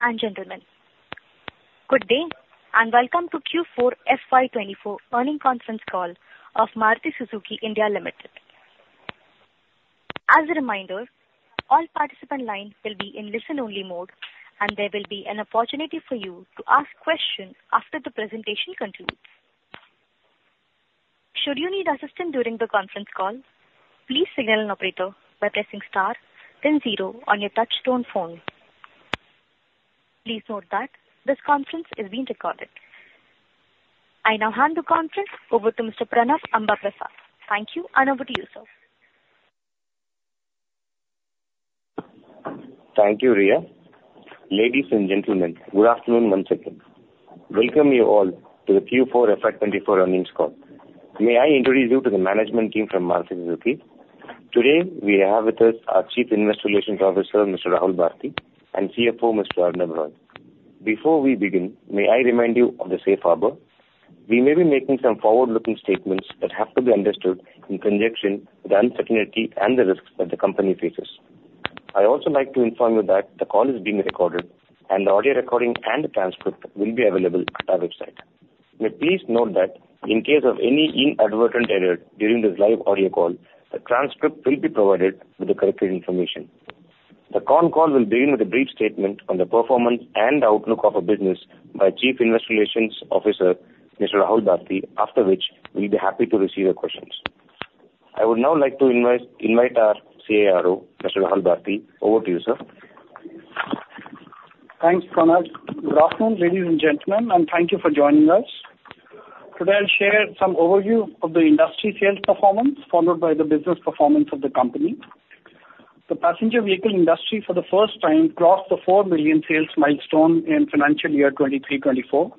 and gentlemen, good day, and welcome to Q4 FY 2024 Earnings Conference Call of Maruti Suzuki India Limited. As a reminder, all participant lines will be in listen-only mode, and there will be an opportunity for you to ask questions after the presentation concludes. Should you need assistance during the conference call, please signal an operator by pressing star then zero on your touchtone phone. Please note that this conference is being recorded. I now hand the conference over to Mr. Pranav Ambaprasad. Thank you, and over to you, sir. Thank you, Riya. Ladies and gentlemen, good afternoon, one second. Welcome you all to the Q4 FY 2024 earnings call. May I introduce you to the management team from Maruti Suzuki? Today, we have with us our Chief Investor Relations Officer, Mr. Rahul Bharti, and CFO, Mr. Arnab Roy. Before we begin, may I remind you of the safe harbor. We may be making some forward-looking statements that have to be understood in conjunction with the uncertainty and the risks that the company faces. I'd also like to inform you that the call is being recorded, and the audio recording and the transcript will be available on our website. May please note that in case of any inadvertent error during this live audio call, a transcript will be provided with the corrected information. The con call will begin with a brief statement on the performance and outlook of our business by Chief Investor Relations Officer, Mr. Rahul Bharti, after which we'll be happy to receive your questions. I would now like to invite our CIRO, Mr. Rahul Bharti. Over to you, sir. Thanks, Pranav. Good afternoon, ladies and gentlemen, and thank you for joining us. Today, I'll share some overview of the industry sales performance, followed by the business performance of the company. The passenger vehicle industry for the first time crossed the 4 million sales milestone in financial year 2023-2024,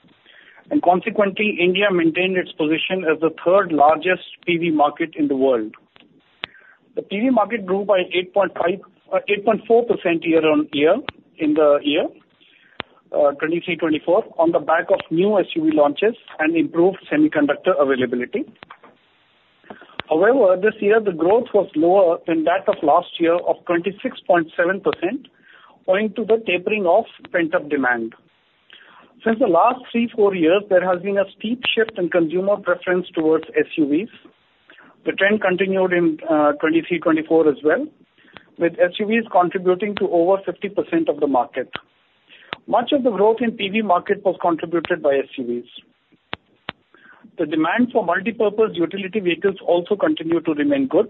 and consequently, India maintained its position as the third-largest PV market in the world. The PV market grew by 8.5%, 8.4% year-on-year in the year 2023-2024, on the back of new SUV launches and improved semiconductor availability. However, this year, the growth was lower than that of last year of 26.7%, owing to the tapering off pent-up demand. Since the last three, four years, there has been a steep shift in consumer preference towards SUVs. The trend continued in 2023-2024 as well, with SUVs contributing to over 50% of the market. Much of the growth in PV market was contributed by SUVs. The demand for multi-purpose utility vehicles also continued to remain good.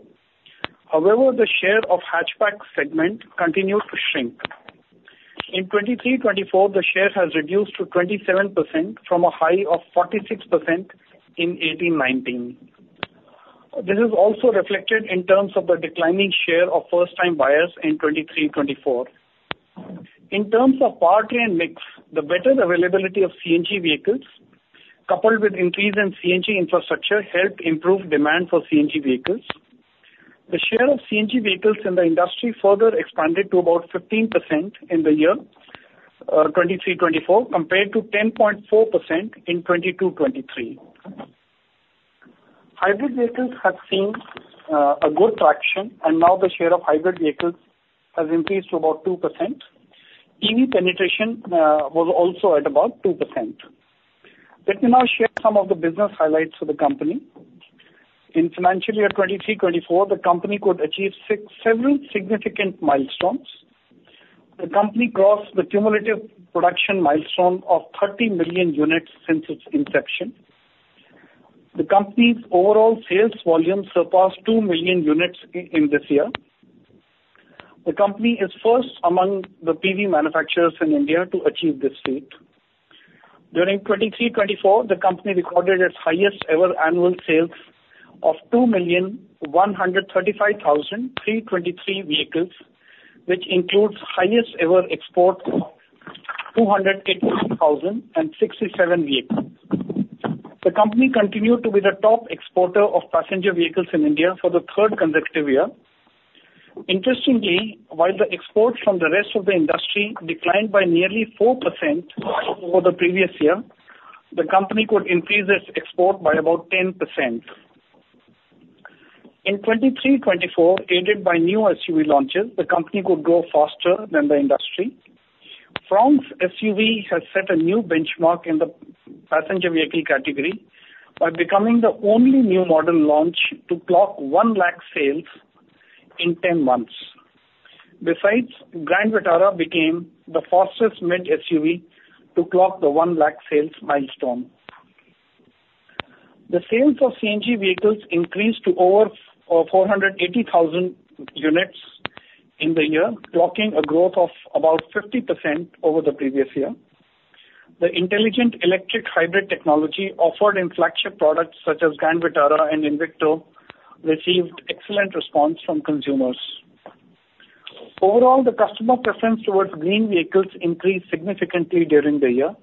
However, the share of hatchback segment continued to shrink. In 2023-2024, the share has reduced to 27% from a high of 46% in 2018-2019. This is also reflected in terms of the declining share of first-time buyers in 2023-2024. In terms of powertrain mix, the better availability of CNG vehicles, coupled with increase in CNG infrastructure, helped improve demand for CNG vehicles. The share of CNG vehicles in the industry further expanded to about 15% in the year 2023-2024, compared to 10.4% in 2022-2023. Hybrid vehicles have seen a good traction, and now the share of hybrid vehicles has increased to about 2%. EV penetration was also at about 2%. Let me now share some of the business highlights for the company. In financial year 2023-2024, the company could achieve several significant milestones. The company crossed the cumulative production milestone of 30 million units since its inception. The company's overall sales volume surpassed 2 million units in this year. The company is first among the PV manufacturers in India to achieve this feat. During 2023-2024, the company recorded its highest ever annual sales of 2,135,323 vehicles, which includes highest ever exports of 281,067 vehicles. The company continued to be the top exporter of passenger vehicles in India for the third consecutive year. Interestingly, while the exports from the rest of the industry declined by nearly 4% over the previous year, the company could increase its export by about 10%. In 2023-2024, aided by new SUV launches, the company could grow faster than the industry. Fronx SUV has set a new benchmark in the passenger vehicle category by becoming the only new model launch to clock 100,000 sales in ten months. Besides, Grand Vitara became the fastest mid SUV to clock the 100,000 sales milestone. The sales of CNG vehicles increased to over 480,000 units in the year, clocking a growth of about 50% over the previous year. The Intelligent Electric Hybrid technology offered in flagship products such as Grand Vitara and Invicto received excellent response from consumers. Overall, the customer preference towards green vehicles increased significantly during the year.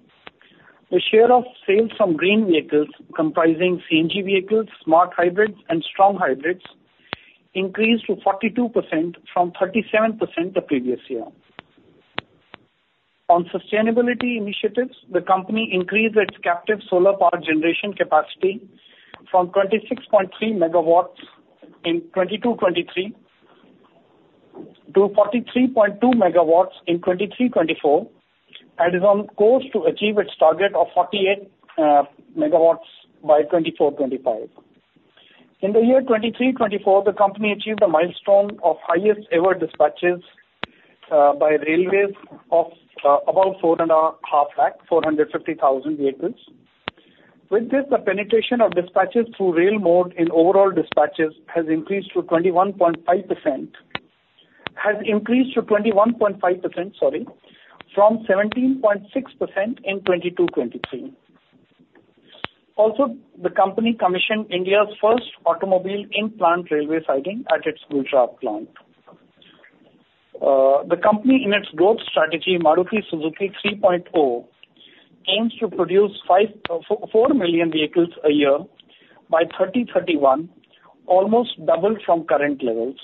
The share of sales from green vehicles, comprising CNG vehicles, Smart Hybrids, and strong hybrids, increased to 42% from 37% the previous year. On sustainability initiatives, the company increased its captive solar power generation capacity from 26.3MW in 2022-2023 to 43.2 MW in 2023-2024, and is on course to achieve its target of 48 MW by 2024-2025. In the year 2023-2024, the company achieved a milestone of highest ever dispatches by railways of about 450,000 vehicles. With this, the penetration of dispatches through rail mode in overall dispatches has increased to 21.5%, has increased to 21.5%, sorry, from 17.6% in 2022-2023. Also, the company commissioned India's first automobile in-plant railway siding at its Gujarat plant. The company, in its growth strategy, Maruti Suzuki 3.0, aims to produce 4 million vehicles a year by 2031, almost double from current levels.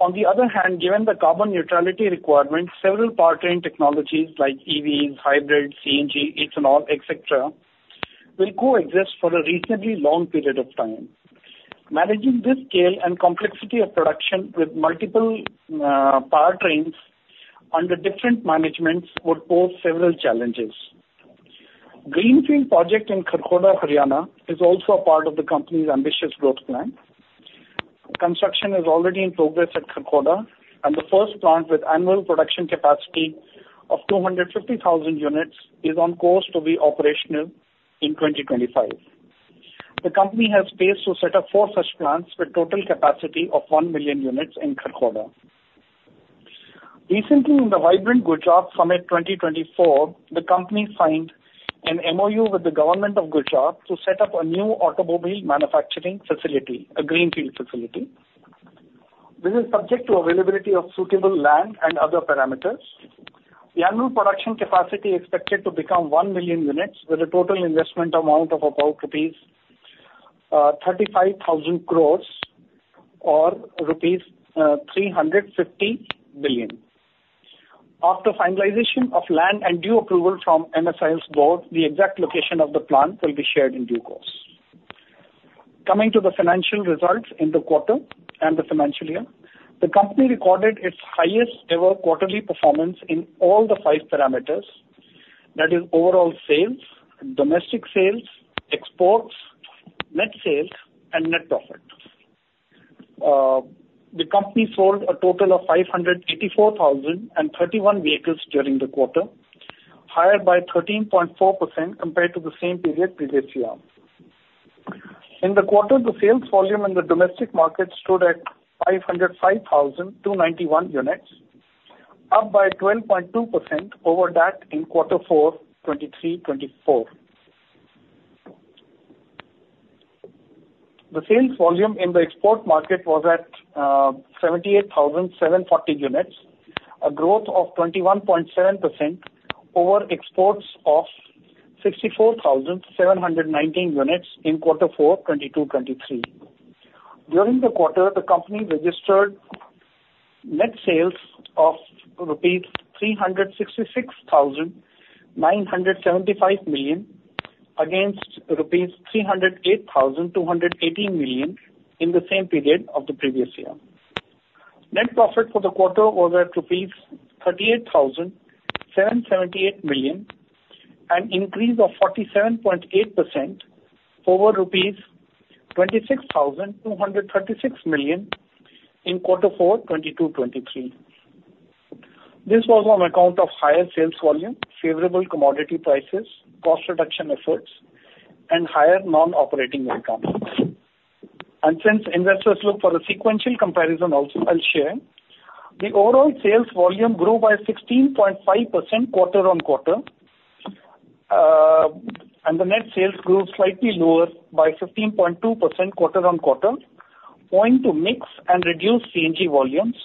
On the other hand, given the carbon neutrality requirements, several powertrain technologies like EVs, hybrid, CNG, ethanol, et cetera, will coexist for a reasonably long period of time. Managing this scale and complexity of production with multiple powertrains under different managements would pose several challenges. Greenfield project in Kharkhoda, Haryana, is also a part of the company's ambitious growth plan. Construction is already in progress at Kharkhoda, and the first plant, with annual production capacity of 250,000 units, is on course to be operational in 2025. The company has space to set up four such plants, with total capacity of 1 million units in Kharkhoda. Recently, in the Vibrant Gujarat Summit 2024, the company signed an MOU with the Government of Gujarat to set up a new automobile manufacturing facility, a greenfield facility. This is subject to availability of suitable land and other parameters. The annual production capacity expected to become 1 million units, with a total investment amount of about 35,000 crore rupees or rupees 350 billion. After finalization of land and due approval from MSIL's board, the exact location of the plant will be shared in due course. Coming to the financial results in the quarter and the financial year, the company recorded its highest ever quarterly performance in all the five parameters, that is, overall sales, domestic sales, exports, net sales, and net profit. The company sold a total of 584,031 vehicles during the quarter, higher by 13.4% compared to the same period previous year. In the quarter, the sales volume in the domestic market stood at 505,291 units, up by 12.2% over that in quarter four, 2023-2024. The sales volume in the export market was at 78,740 units, a growth of 21.7% over exports of 64,719 units in quarter four, 2022-2023. During the quarter, the company registered net sales of rupees 366,975 million, against rupees 308,218 million in the same period of the previous year. Net profit for the quarter was at rupees 38,778 million, an increase of 47.8% over INR 26,236 million in quarter four, 2022-2023. This was on account of higher sales volume, favorable commodity prices, cost reduction efforts, and higher non-operating income. Since investors look for a sequential comparison also, I'll share. The overall sales volume grew by 16.5% quarter-on-quarter, and the net sales grew slightly lower by 15.2% quarter-on-quarter, owing to mix and reduced CNG volumes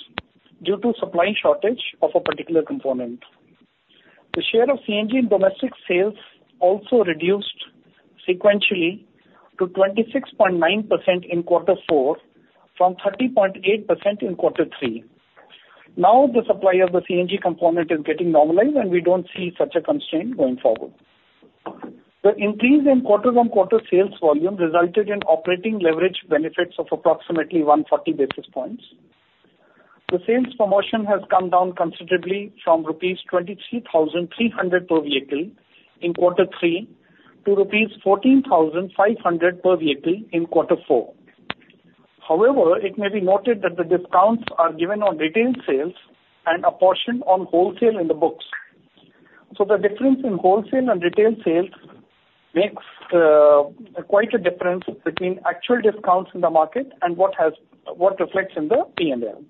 due to supply shortage of a particular component. The share of CNG in domestic sales also reduced sequentially to 26.9% in quarter four from 30.8% in quarter three. Now, the supply of the CNG component is getting normalized, and we don't see such a constraint going forward. The increase in quarter-on-quarter sales volume resulted in operating leverage benefits of approximately 140 basis points. The sales promotion has come down considerably from rupees 23,300 per vehicle in quarter three to rupees 14,500 per vehicle in quarter four. However, it may be noted that the discounts are given on retail sales and a portion on wholesale in the books. So the difference in wholesale and retail sales makes quite a difference between actual discounts in the market and what reflects in the P&L.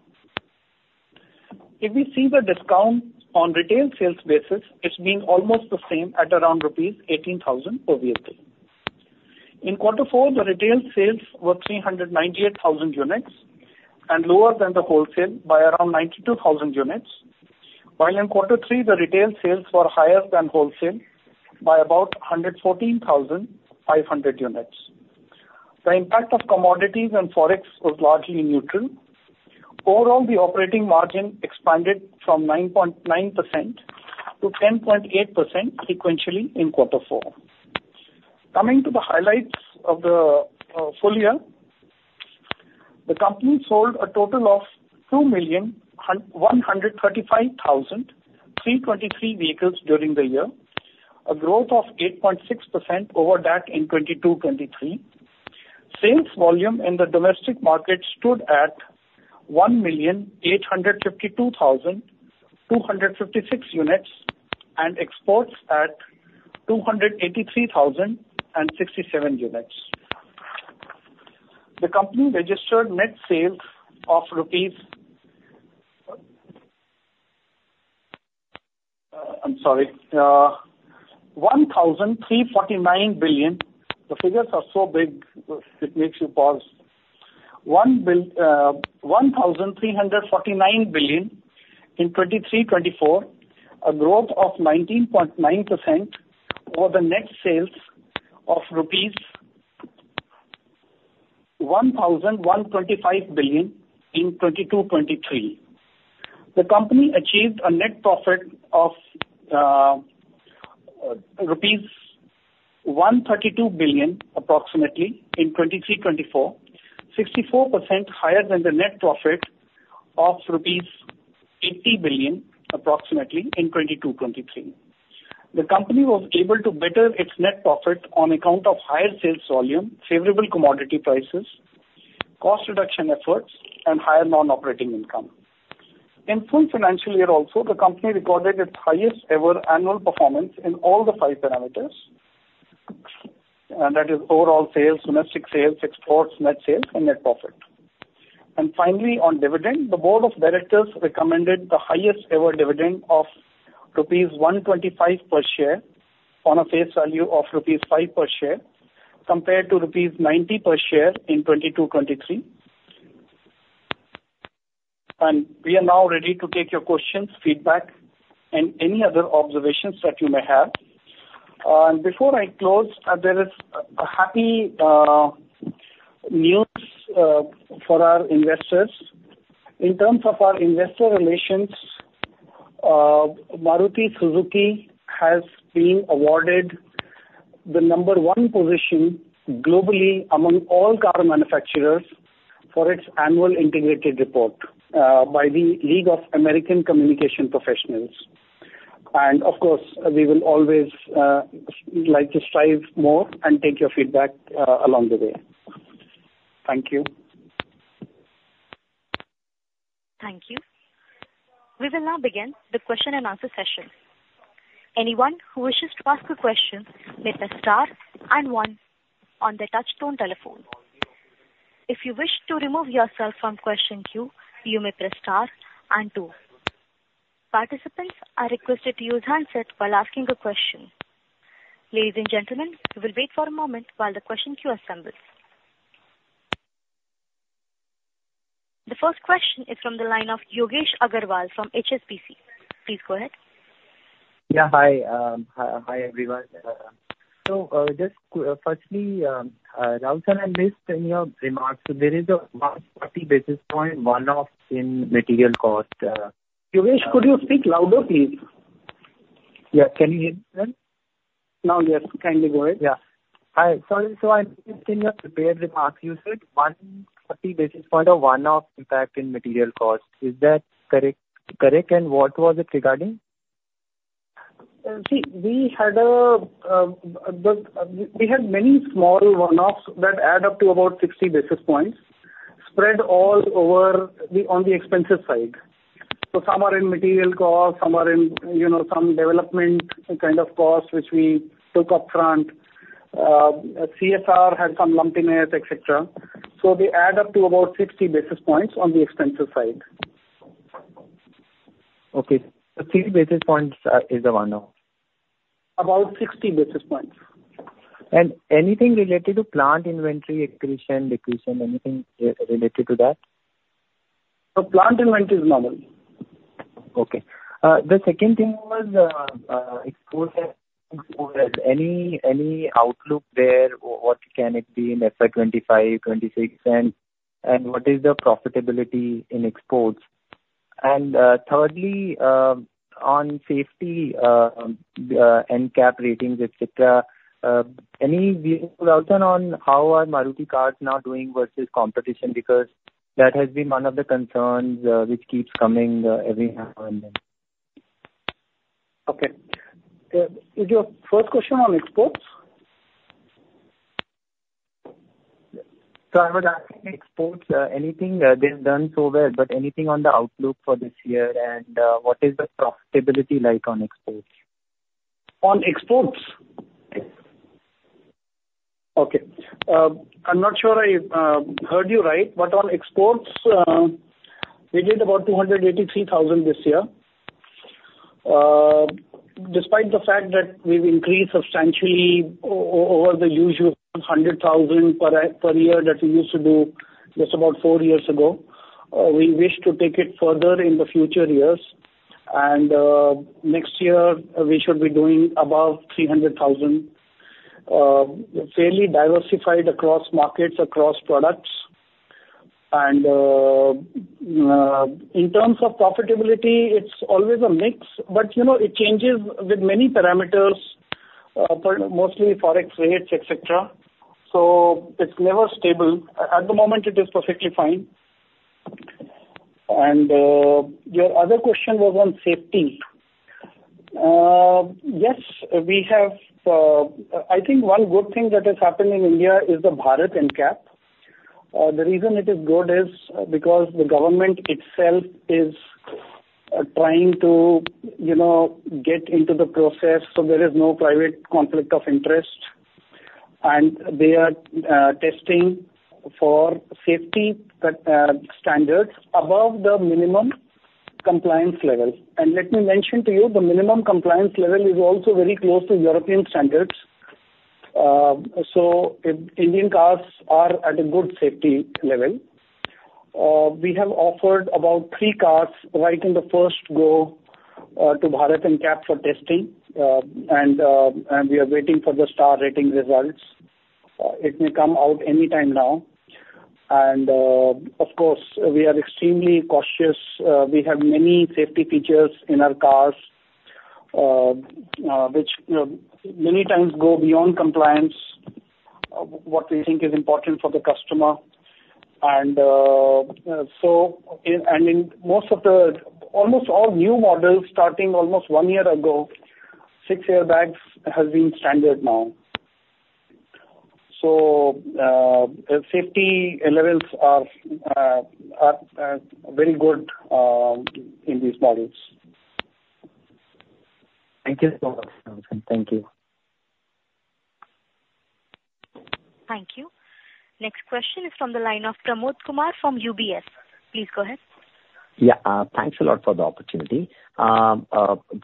If we see the discount on retail sales basis, it's being almost the same at around rupees 18,000 per vehicle. In quarter four, the retail sales were 398,000 units and lower than the wholesale by around 92,000 units, while in quarter three the retail sales were higher than wholesale by about 114,500 units. The impact of commodities and Forex was largely neutral. Overall, the operating margin expanded from 9.9% to 10.8% sequentially in quarter four. Coming to the highlights of the full year. The company sold a total of 2,135,323 vehicles during the year, a growth of 8.6% over that in 2022-2023. Sales volume in the domestic market stood at 1,852,256 units, and exports at 283,067 units. The company registered net sales of 1,349 billion. The figures are so big, it makes you pause. 1,349 billion in 2023-2024, a growth of 19.9% over the net sales of rupees 1,125 billion in 2022-2023. The company achieved a net profit of rupees 132 billion, approximately, in 2023-2024, 64% higher than the net profit of rupees 80 billion, approximately, in 2022-2023. The company was able to better its net profit on account of higher sales volume, favorable commodity prices, cost reduction efforts, and higher non-operating income. In full financial year also, the company recorded its highest ever annual performance in all the five parameters, and that is overall sales, domestic sales, exports, net sales and net profit. And finally, on dividend, the board of directors recommended the highest ever dividend of rupees 125 per share on a face value of rupees 5 per share, compared to rupees 90 per share in 2022-2023. And we are now ready to take your questions, feedback, and any other observations that you may have. And before I close, there is a happy news for our investors. In terms of our investor relations, Maruti Suzuki has been awarded the number one position globally among all car manufacturers for its annual integrated report by the League of American Communications Professionals. And of course, we will always like to strive more and take your feedback along the way. Thank you. Thank you. We will now begin the question and answer session. Anyone who wishes to ask a question may press star and one on their touchtone telephone. If you wish to remove yourself from question queue, you may press star and two. Participants are requested to use handset while asking a question. Ladies and gentlemen, we will wait for a moment while the question queue assembles. The first question is from the line of Yogesh Aggarwal from HSBC. Please go ahead. Yeah. Hi. hi, hi, everyone. So, just firstly, Rahul, I missed in your remarks, there is a 140 basis point one-off in material cost. Yogesh, could you speak louder, please? Yeah. Can you hear me now? Now, yes. Kindly go ahead. Yeah. Hi. Sorry, so in your prepared remarks, you said 140 basis points of one-off impact in material cost. Is that correct, correct? And what was it regarding? See, we had many small one-offs that add up to about 60 basis points, spread all over, on the expensive side. So some are in material cost, some are in, you know, some development kind of costs, which we took up front. CSR had some lumpiness, et cetera, so they add up to about 60 basis points on the expensive side. Okay. So 60 basis points is the one-off? About 60 basis points. Anything related to plant inventory, accretion, decrease, and anything re-related to that? Plant inventory is normal. Okay. The second thing was export. Any outlook there, or what can it be in FY 2025, 2026, and what is the profitability in exports? And thirdly, on safety, NCAP ratings, et cetera, any view, Rahul, on how are Maruti cars now doing versus competition? Because that has been one of the concerns, which keeps coming every now and then. Okay. Is your first question on exports? So I would ask exports, anything, they've done so well, but anything on the outlook for this year, and what is the profitability like on exports? On exports? Okay. I'm not sure I heard you right, but on exports, we did about 283,000 this year. Despite the fact that we've increased substantially over the usual 100,000 per year, that we used to do just about four years ago, we wish to take it further in the future years, and next year we should be doing about 300,000, fairly diversified across markets, across products... And in terms of profitability, it's always a mix, but, you know, it changes with many parameters, mostly Forex rates, et cetera. So it's never stable. At the moment, it is perfectly fine. And your other question was on safety. Yes, we have, I think one good thing that has happened in India is the Bharat NCAP. The reason it is good is because the government itself is trying to, you know, get into the process so there is no private conflict of interest, and they are testing for safety standards above the minimum compliance level. And let me mention to you, the minimum compliance level is also very close to European standards. So Indian cars are at a good safety level. We have offered about three cars right in the first go to Bharat NCAP for testing. And we are waiting for the star rating results. It may come out any time now. And, of course, we are extremely cautious. We have many safety features in our cars, which, you know, many times go beyond compliance, what we think is important for the customer. In almost all new models, starting almost one year ago, six airbags has been standard now. So, safety levels are very good in these models. Thank you so much, Rahul. Thank you. Thank you. Next question is from the line of Pramod Kumar from UBS. Please go ahead. Yeah, thanks a lot for the opportunity.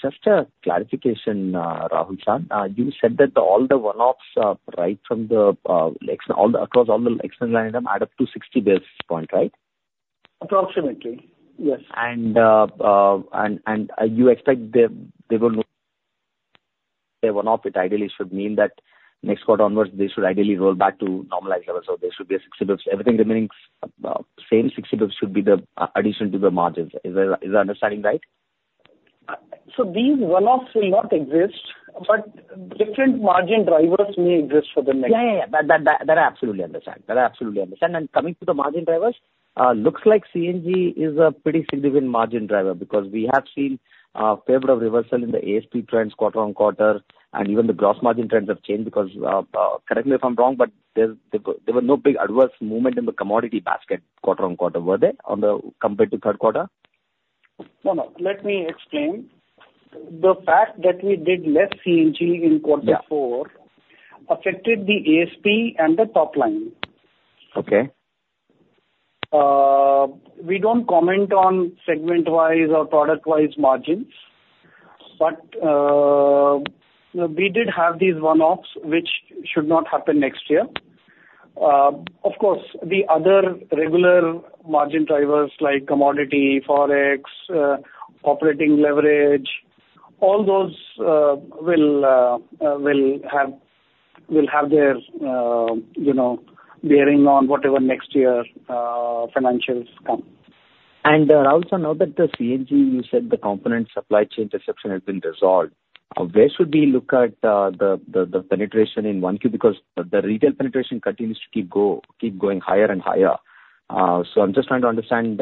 Just a clarification, Rahul Bharti. You said that all the one-offs across all the external items add up to 60 basis points, right? Approximately, yes. You expect them they will know a one-off. It ideally should mean that next quarter onwards, they should ideally roll back to normalized levels, or there should be a 6 basis points. Everything remaining same, 6 basis points should be the addition to the margins. Is that my understanding right? So these one-offs will not exist, but different margin drivers may exist for the next- Yeah, yeah, yeah. That, that, that I absolutely understand. That I absolutely understand. And coming to the margin drivers, looks like CNG is a pretty significant margin driver because we have seen, fair bit of reversal in the ASP trends quarter-on-quarter, and even the gross margin trends have changed because, correct me if I'm wrong, but there, there were no big adverse movement in the commodity basket quarter-on-quarter, were they, on the, compared to third quarter? No, no. Let me explain. The fact that we did less CNG in quarter four- Yeah. affected the ASP and the top line. Okay. We don't comment on segment-wise or product-wise margins. But, we did have these one-offs, which should not happen next year. Of course, the other regular margin drivers, like commodity, Forex, operating leverage, all those will have their, you know, bearing on whatever next year financials come. Also now that the CNG, you said the component supply chain disruption has been resolved, where should we look at the penetration in 1Q? Because the retail penetration continues to keep going higher and higher. So I'm just trying to understand,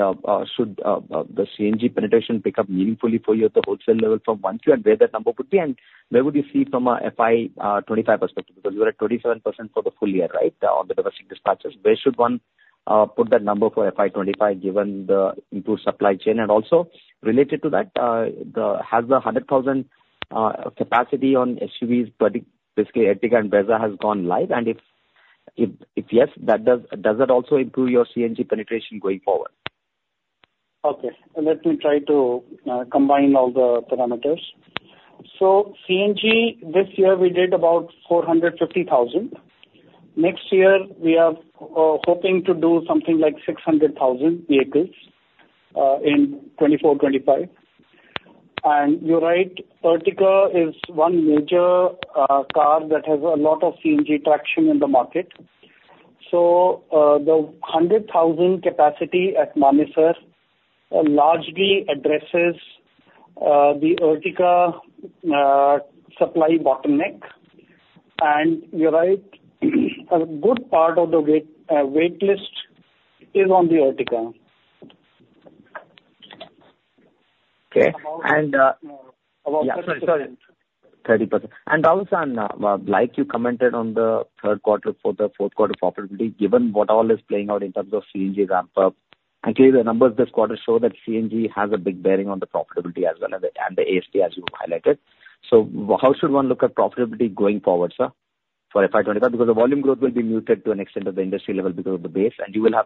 should the CNG penetration pick up meaningfully for you at the wholesale level from 1Q and where that number could be, and where would you see from a FY 2025 perspective? Because you are at 27% for the full year, right, on the domestic dispatches. Where should one put that number for FY 2025, given the improved supply chain? And also, related to that, has the 100,000 capacity on SUVs, particularly basically Ertiga and Brezza, gone live? If yes, does that also improve your CNG penetration going forward? Okay, let me try to combine all the parameters. So CNG, this year, we did about 450,000. Next year, we are hoping to do something like 600,000 vehicles in 2024-2025. And you're right, Ertiga is one major car that has a lot of CNG traction in the market. So, the 100,000 capacity at Manesar largely addresses the Ertiga supply bottleneck. And you're right, a good part of the wait wait list is on the Ertiga. Okay. And, uh- About... Yeah. Sorry, sorry. 30%. And also, like you commented on the third quarter for the fourth quarter profitability, given what all is playing out in terms of CNG ramp up, and clearly the numbers this quarter show that CNG has a big bearing on the profitability as well as the, and the ASP, as you highlighted. So how should one look at profitability going forward, sir, for FY 2025? Because the volume growth will be muted to an extent at the industry level because of the base, and you will have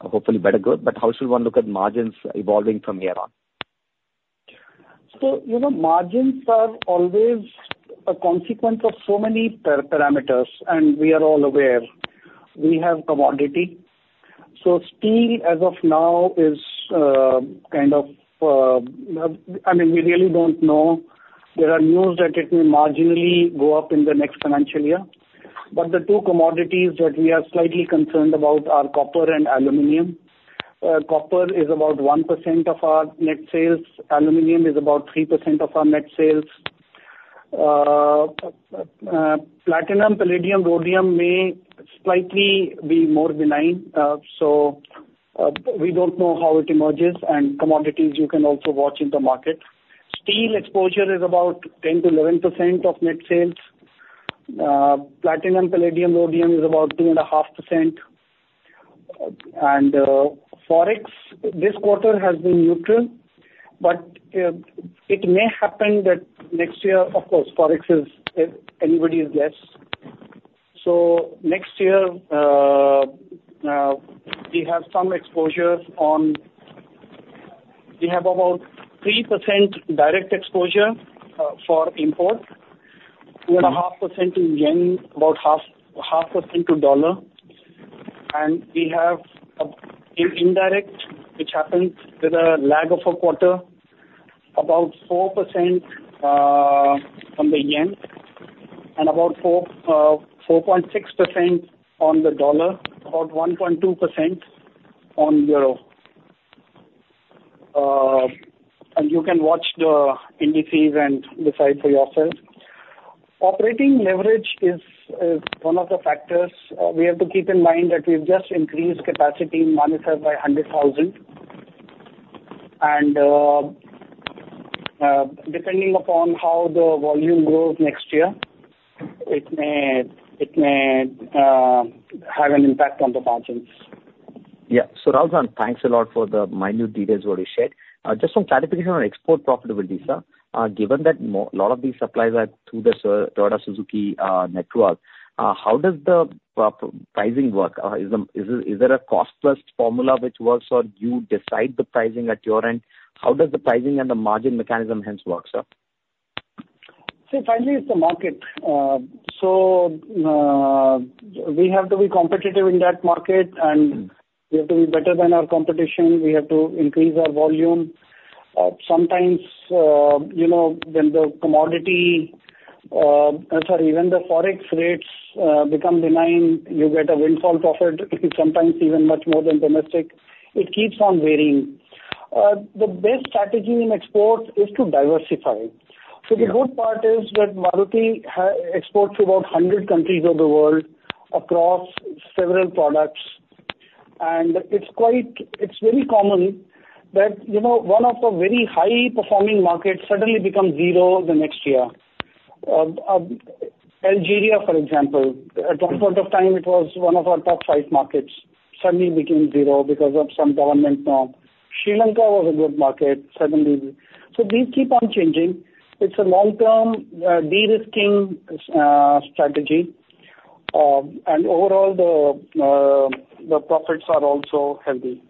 hopefully better growth. But how should one look at margins evolving from here on? So, you know, margins are always a consequence of so many parameters, and we are all aware. We have commodity. So steel, as of now, is kind of, I mean, we really don't know. There are news that it may marginally go up in the next financial year. But the two commodities that we are slightly concerned about are copper and aluminum. Copper is about 1% of our net sales, aluminum is about 3% of our net sales. Platinum, palladium, rhodium may slightly be more benign, so we don't know how it emerges, and commodities you can also watch in the market. Steel exposure is about 10%-11% of net sales. Platinum, palladium, rhodium is about 2.5%. Forex this quarter has been neutral, but it may happen that next year, of course, Forex is anybody's guess. So next year, we have some exposure. We have about 3% direct exposure for import, 2.5% to yen, about 0.5% to dollar. And we have in indirect, which happens with a lag of a quarter, about 4% from the yen and about 4.6% on the dollar, about 1.2% on euro. And you can watch the indices and decide for yourselves. Operating leverage is one of the factors. We have to keep in mind that we've just increased capacity in Manesar by 100,000. Depending upon how the volume grows next year, it may, it may, have an impact on the margins. Yeah. So Rahul sir, thanks a lot for the minute details what you shared. Just some clarification on export profitability, sir. Given that a lot of these suppliers are through the Suzuki-Toyota network, how does the pricing work? Is there a cost plus formula which works, or you decide the pricing at your end? How does the pricing and the margin mechanism hence work, sir? So finally, it's the market. We have to be competitive in that market, and we have to be better than our competition. We have to increase our volume. Sometimes, you know, when the commodity, sorry, when the Forex rates become benign, you get a windfall profit, sometimes even much more than domestic. It keeps on varying. The best strategy in exports is to diversify. So the good part is that Maruti exports to about 100 countries of the world across several products. And it's quite, it's very common that, you know, one of the very high-performing markets suddenly becomes zero the next year. Algeria, for example, at one point of time, it was one of our top five markets, suddenly became zero because of some government norm. Sri Lanka was a good market, suddenly. So these keep on changing. It's a long-term de-risking strategy. And overall, the profits are also healthy.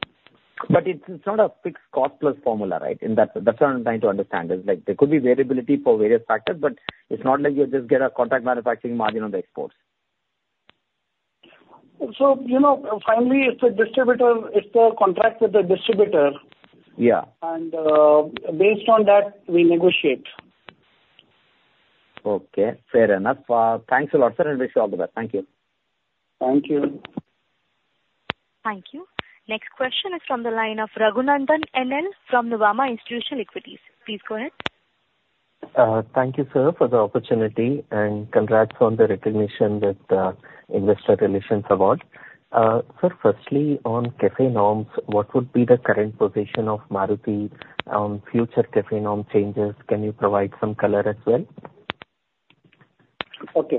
But it's, it's not a fixed cost plus formula, right? In that, that's what I'm trying to understand, is like there could be variability for various factors, but it's not like you just get a contract manufacturing margin on the exports. You know, finally, it's the distributor, it's the contract with the distributor. Yeah. And, based on that, we negotiate. Okay, fair enough. Thanks a lot, sir, and wish you all the best. Thank you. Thank you. Thank you. Next question is from the line of Raghunandhan NL from Nuvama Institutional Equities. Please go ahead. Thank you, sir, for the opportunity, and congrats on the recognition with Investor Relations Award. Sir, firstly, on CAFE norms, what would be the current position of Maruti on future CAFE norm changes? Can you provide some color as well? Okay.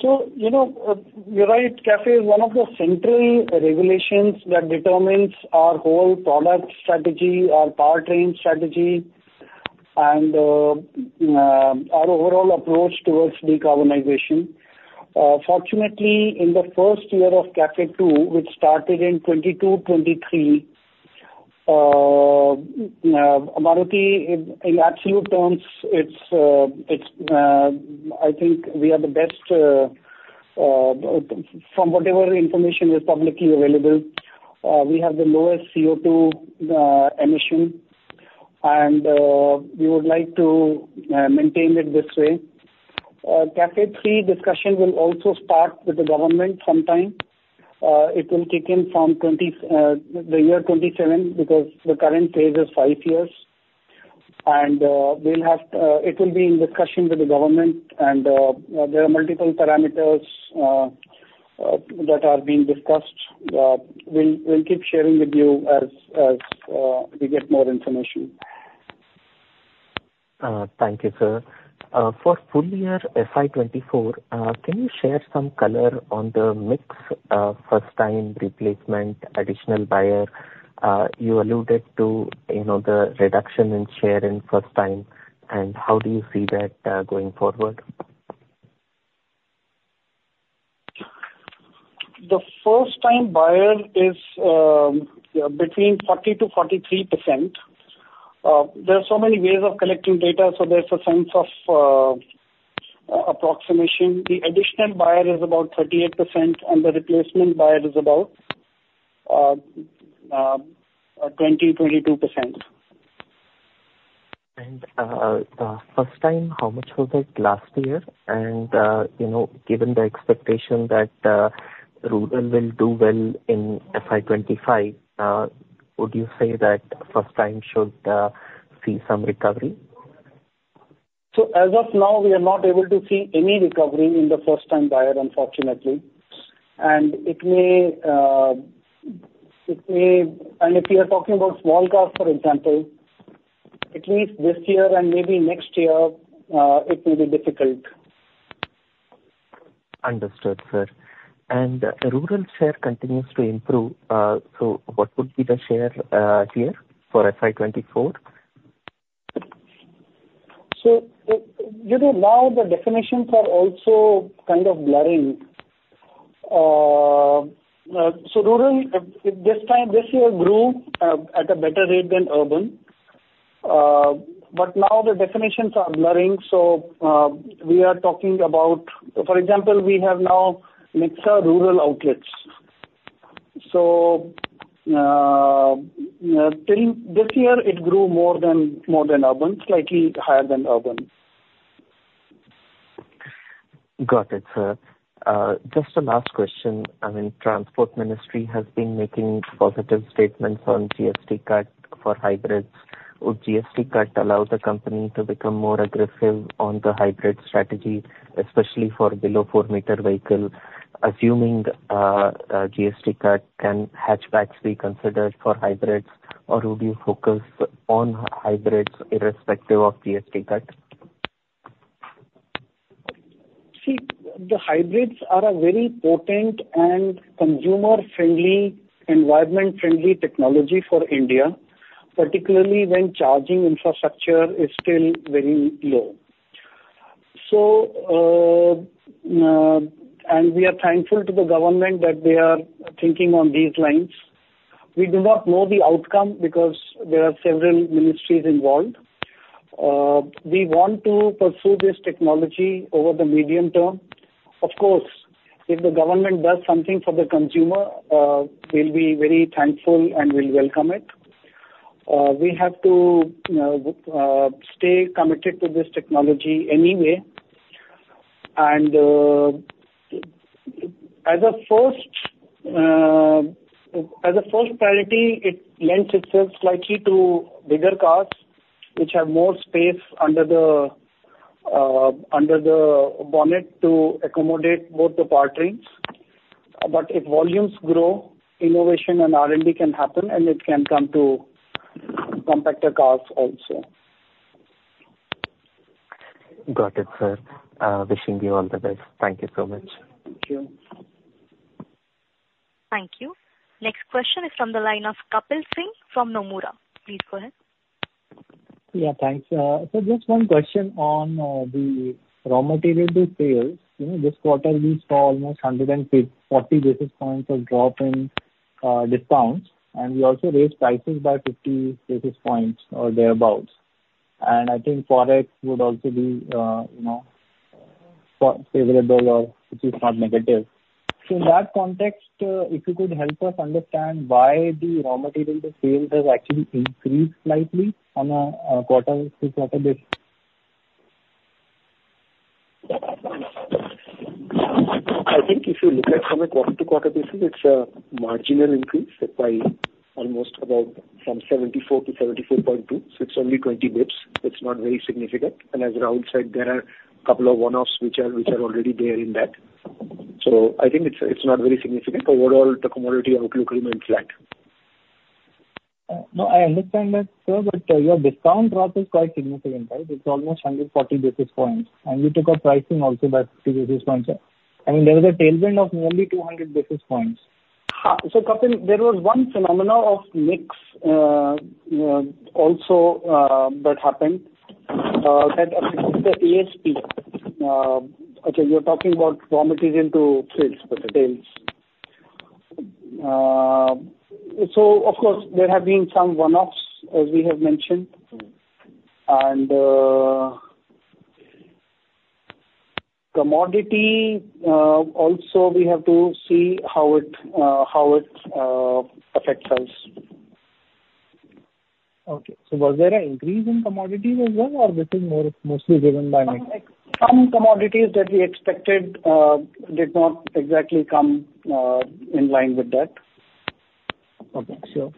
So, you know, you're right, CAFE is one of the central regulations that determines our whole product strategy, our powertrain strategy, and our overall approach towards decarbonization. Fortunately, in the first year of CAFE Two, which started in 2022-2023, Maruti, in absolute terms, it's, I think we are the best, from whatever information is publicly available, we have the lowest CO2 emission, and we would like to maintain it this way. CAFE Three discussion will also start with the government sometime. It will kick in from 2027, because the current phase is five years. And we'll have it in discussion with the government, and there are multiple parameters that are being discussed. We'll keep sharing with you as we get more information. Thank you, sir. For full year FY 2024, can you share some color on the mix, first time replacement, additional buyer? You alluded to, you know, the reduction in share in first time, and how do you see that going forward? The first time buyer is between 40%-43%. There are so many ways of collecting data, so there's a sense of approximation, the additional buyer is about 38%, and the replacement buyer is about 22%. First time, how much was it last year? You know, given the expectation that rural will do well in FY 2025, would you say that first time should see some recovery? As of now, we are not able to see any recovery in the first-time buyer, unfortunately. It may. If you are talking about small cars, for example, at least this year and maybe next year, it will be difficult. Understood, sir. And rural share continues to improve. So what would be the share here for FY 2024? So, you know, now the definitions are also kind of blurring. So rural, this time, this year grew at a better rate than urban. But now the definitions are blurring, so we are talking about, for example, we have now mixed rural outlets. So, till this year it grew more than, more than urban, slightly higher than urban. Got it, sir. Just a last question. I mean, Transport Ministry has been making positive statements on GST cut for hybrids. Would GST cut allow the company to become more aggressive on the hybrid strategy, especially for below four-meter vehicle? Assuming a GST cut, can hatchbacks be considered for hybrids, or would you focus on hybrids irrespective of GST cut? See, the hybrids are a very potent and consumer-friendly, environment-friendly technology for India, particularly when charging infrastructure is still very low. So, and we are thankful to the government that they are thinking on these lines. We do not know the outcome because there are several ministries involved. We want to pursue this technology over the medium term. Of course, if the government does something for the consumer, we'll be very thankful and we'll welcome it. We have to stay committed to this technology anyway. And, as a first, as a first priority, it lends itself slightly to bigger cars, which have more space under the, under the bonnet to accommodate both the power trains. But if volumes grow, innovation and R&D can happen, and it can come to more compact cars also. Got it, sir. Wishing you all the best. Thank you so much. Thank you. Thank you. Next question is from the line of Kapil Singh from Nomura. Please go ahead. Yeah, thanks. So just one question on the raw material to sales. You know, this quarter we saw almost 140 basis points of drop in discounts, and we also raised prices by 50 basis points or thereabout. And I think Forex would also be, you know, favorable or it is not negative. So in that context, if you could help us understand why the raw material to sales has actually increased slightly on a quarter-to-quarter basis? I think if you look at from a quarter-to-quarter basis, it's a marginal increase by almost about from 74 to 74.2, so it's only 20 basis points. It's not very significant. And as Rahul said, there are a couple of one-offs, which are already there in that. So I think it's not very significant. Overall, the commodity outlook remains flat. No, I understand that, sir, but your discount drop is quite significant, right? It's almost 140 basis points, and you took a pricing also by 50 basis points. I mean, there is a tailwind of nearly 200 basis points. Ha! So, Kapil, there was one phenomenon of mix, also, that happened, that affected the ASP. Okay, you're talking about raw material to sales- Sales. Of course, there have been some one-offs, as we have mentioned. Mm-hmm. And, commodity, also we have to see how it affects us. Okay. So was there an increase in commodity as well, or this is more mostly driven by mix? Some commodities that we expected did not exactly come in line with that. Okay, sure.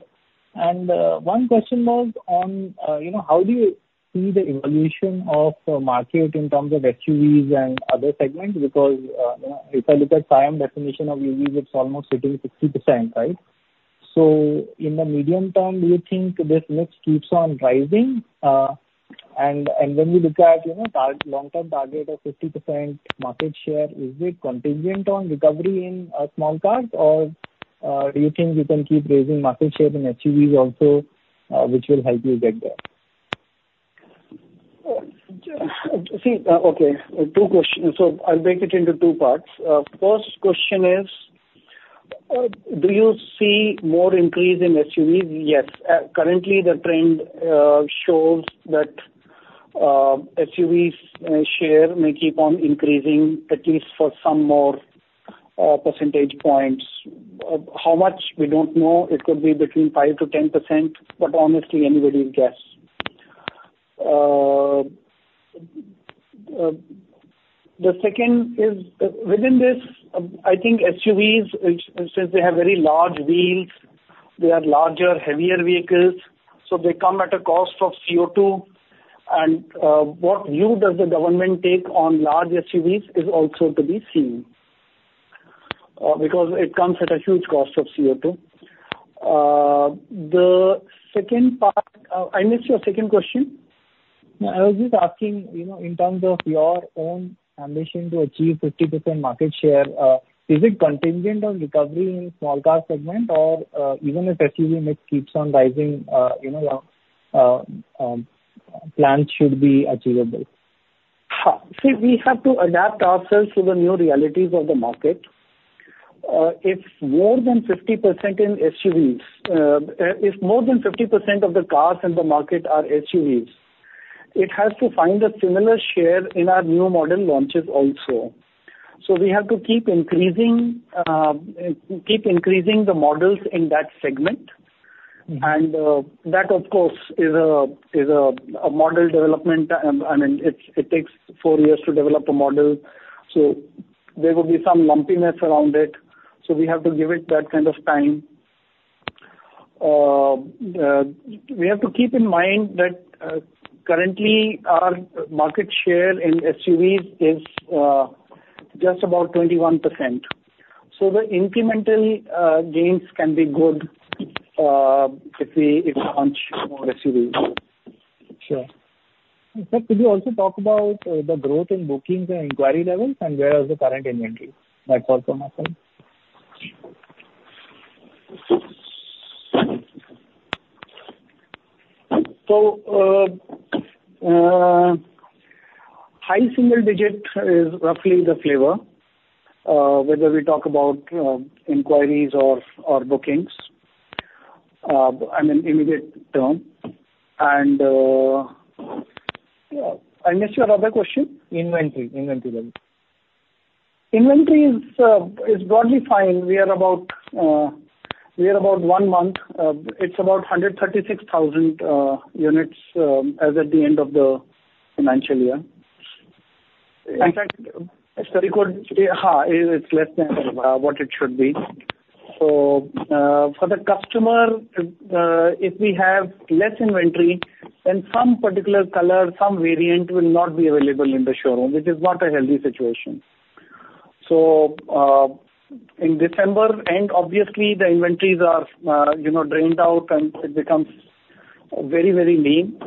And, one question was on, you know, how do you see the evolution of the market in terms of SUVs and other segments? Because, you know, if I look at SIAM definition of EVs, it's almost sitting 60%, right? So in the medium term, do you think this mix keeps on rising? And when we look at, you know, long-term target of 50% market share, is it contingent on recovery in small cars? Or do you think you can keep raising market share in SUVs also, which will help you get there? Two questions. So I'll break it into two parts. First question is... Do you see more increase in SUVs? Yes. Currently, the trend shows that SUVs share may keep on increasing, at least for some more percentage points. How much? We don't know. It could be between 5%-10%, but honestly, anybody will guess. The second is, within this, I think SUVs, which since they have very large wheels, they are larger, heavier vehicles, so they come at a cost of CO2. And what view does the government take on large SUVs is also to be seen, because it comes at a huge cost of CO2. The second part, I missed your second question. No, I was just asking, you know, in terms of your own ambition to achieve 50% market share, is it contingent on recovery in small car segment or, even if SUV mix keeps on rising, you know, plan should be achievable? Ha! See, we have to adapt ourselves to the new realities of the market. If more than 50% of the cars in the market are SUVs, it has to find a similar share in our new model launches also. So we have to keep increasing the models in that segment. Mm-hmm. That, of course, is a model development. I mean, it takes four years to develop a model, so there will be some lumpiness around it, so we have to give it that kind of time. We have to keep in mind that, currently our market share in SUVs is just about 21%. So the incremental gains can be good, if we launch more SUVs. Sure. Sir, could you also talk about the growth in bookings and inquiry levels, and where is the current inventory, like, quarter-on-quarter? So, high single digit is roughly the flavor, whether we talk about inquiries or bookings, I mean, immediate term. And, I missed your other question. Inventory. Inventory level. Inventory is broadly fine. We are about one month. It's about 136,000 units as at the end of the financial year. In fact,... Ha, it's less than what it should be. So, for the customer, if we have less inventory, then some particular color, some variant will not be available in the showroom, which is not a healthy situation. So, in December, and obviously, the inventories are, you know, drained out, and it becomes very, very lean.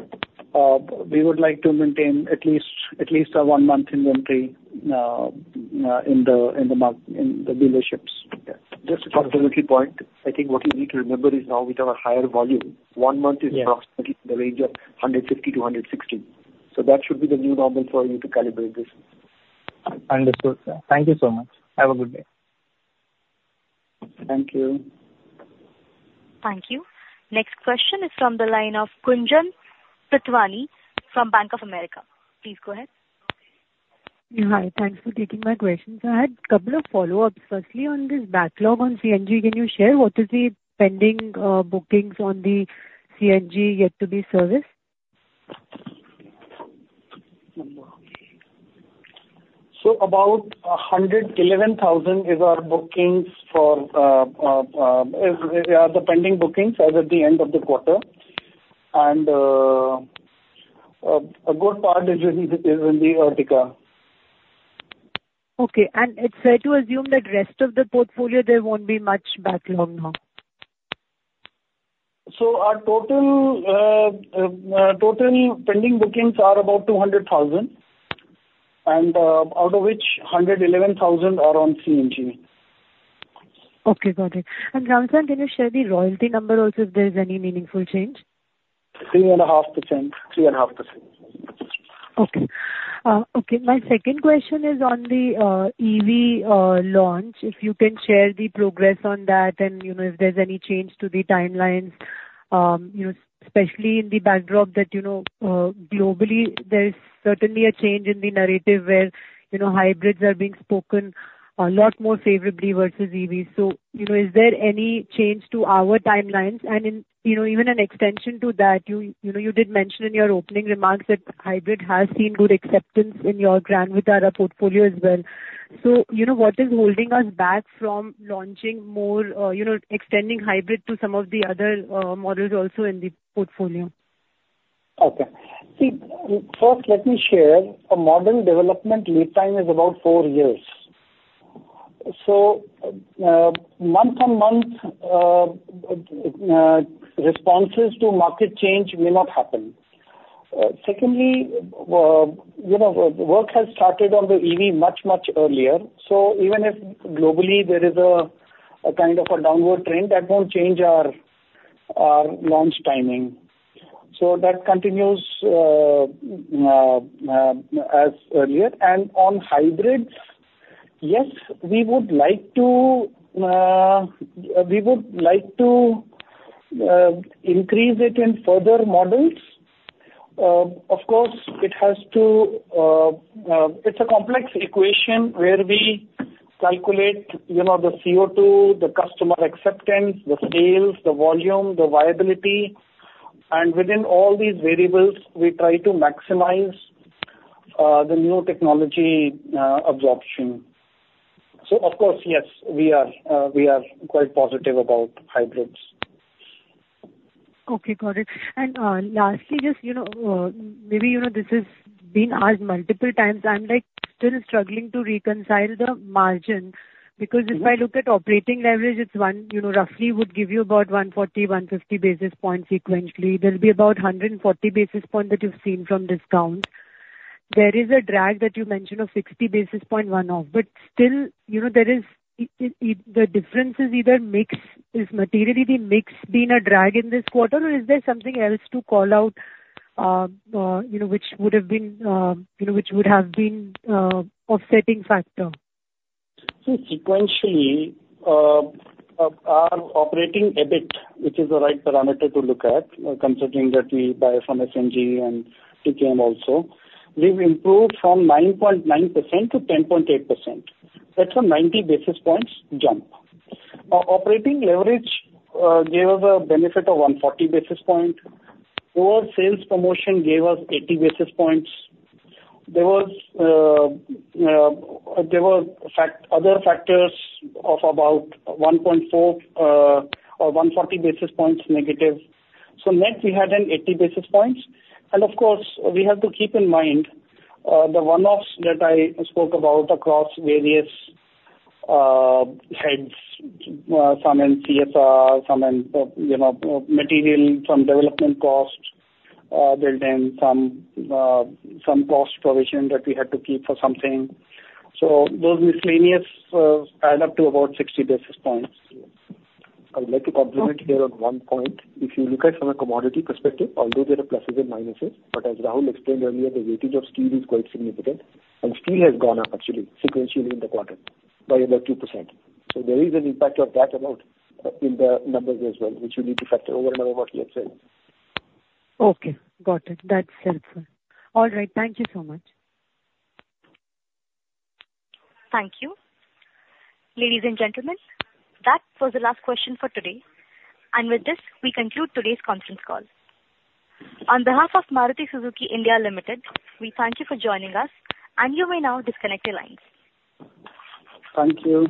We would like to maintain at least a one-month inventory in the dealerships. Yeah. Just for clarity point, I think what you need to remember is now with our higher volume, one month is- Yeah Approximately in the range of 150-160. So that should be the new normal for you to calibrate this. Understood, sir. Thank you so much. Have a good day. Thank you. Thank you. Next question is from the line of Gunjan Prithyani from Bank of America. Please go ahead. Hi. Thanks for taking my questions. I had couple of follow-ups. Firstly, on this backlog on CNG, can you share what is the pending, bookings on the CNG yet to be serviced? So about 111,000 is our bookings for the pending bookings as at the end of the quarter. And a good part is in the Ertiga. Okay. And it's fair to assume that rest of the portfolio, there won't be much backlog now? So our total pending bookings are about 200,000, and out of which 111,000 are on CNG. Okay, got it. Rahul sir, can you share the royalty number also, if there's any meaningful change? 3.5%. 3.5%. Okay. Okay, my second question is on the EV launch, if you can share the progress on that and, you know, if there's any change to the timelines, you know, especially in the backdrop that, you know, globally, there is certainly a change in the narrative where, you know, hybrids are being spoken a lot more favorably versus EVs. So, you know, is there any change to our timelines? And in, you know, even an extension to that, you, you know, you did mention in your opening remarks that hybrid has seen good acceptance in your Grand Vitara portfolio as well. So, you know, what is holding us back from launching more, you know, extending hybrid to some of the other models also in the portfolio? Okay. See, first, let me share a model development lead time is about four years. So, month-on-month, responses to market change will not happen. Secondly, you know, work has started on the EV much, much earlier, so even if globally there is a kind of a downward trend, that won't change our, our launch timing. So that continues, as earlier. And on hybrids, yes, we would like to, we would like to, increase it in further models. Of course, it has to, it's a complex equation where we calculate, you know, the CO2, the customer acceptance, the sales, the volume, the viability, and within all these variables, we try to maximize, the new technology, absorption. So of course, yes, we are, we are quite positive about hybrids. Okay, got it. And, lastly, just, you know, maybe, you know, this has been asked multiple times. I'm, like, still struggling to reconcile the margins, because if I look at operating leverage, it's one, you know, roughly would give you about 140, 150 basis points sequentially. There'll be about 140 basis point that you've seen from discount. There is a drag that you mentioned of 60 basis point one-off, but still, you know, there is, the difference is either mix-- has materially the mix been a drag in this quarter, or is there something else to call out, you know, which would have been, you know, which would have been, offsetting factor? So sequentially, our operating EBIT, which is the right parameter to look at, considering that we buy from SMG and TKM also, we've improved from 9.9% to 10.8%. That's a 90 basis points jump. Our operating leverage gave us a benefit of 140 basis point. Poor sales promotion gave us 80 basis points. There were other factors of about 1.4 or 140 basis points negative. So net, we had an 80 basis points, and of course, we have to keep in mind the one-offs that I spoke about across various heads, some in CSR, some in, you know, material, some development costs, built in some some cost provision that we had to keep for something. Those miscellaneous add up to about 60 basis points. I would like to comment here on one point. If you look at from a commodity perspective, although there are pluses and minuses, but as Rahul explained earlier, the weighting of steel is quite significant, and steel has gone up actually sequentially in the quarter by about 2%. So there is an impact of that amount in the numbers as well, which you need to factor over and above what he has said. Okay, got it. That's helpful. All right, thank you so much. Thank you. Ladies and gentlemen, that was the last question for today, and with this, we conclude today's conference call. On behalf of Maruti Suzuki India Limited, we thank you for joining us, and you may now disconnect your lines. Thank you.